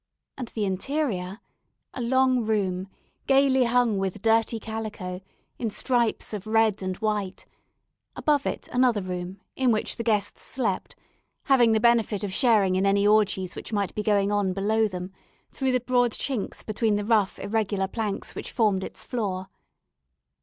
And the interior: a long room, gaily hung with dirty calico, in stripes of red and white; above it another room, in which the guests slept, having the benefit of sharing in any orgies which might be going on below them, through the broad chinks between the rough, irregular planks which formed its floor.